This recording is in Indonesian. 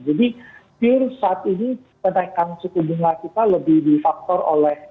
jadi pure saat ini tekanan suku jumlah kita lebih difaktor oleh